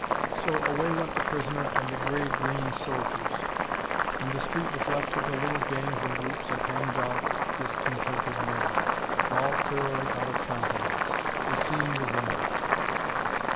So, away went the prisoner and the grey green soldiers, and the street was left to the little gangs and groups of hangdog, discontented men, all thoroughly out of countenance. The scene was ended.